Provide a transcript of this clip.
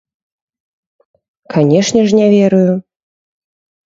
Канешне ж, не верую.